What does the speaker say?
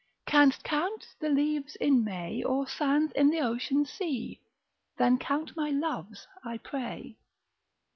Canst count the leaves in May, Or sands i' th' ocean sea? Then count my loves I pray.